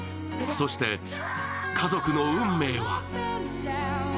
そして家族の運命は？